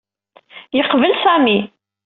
Yeqbel Sami.